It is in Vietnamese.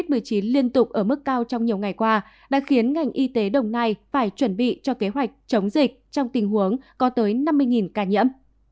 covid một mươi chín liên tục ở mức cao trong nhiều ngày qua đã khiến ngành y tế đồng nai phải chuẩn bị cho kế hoạch chống dịch trong tình huống có tới năm mươi ca nhiễm